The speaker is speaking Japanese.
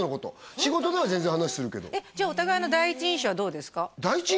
仕事では全然話しするけどお互いの第一印象はどうですか？